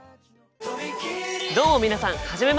どうも皆さん初めまして！